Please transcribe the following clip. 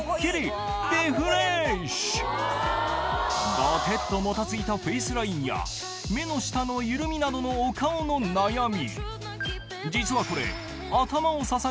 ぼてっともたついたフェイスラインや目の下の緩みなどのお顔の悩み